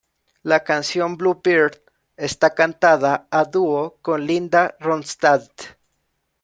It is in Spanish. La canción "Bluebird" está cantada a dúo con Linda Ronstadt.